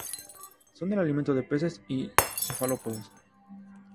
Son el alimento de peces y cefalópodos.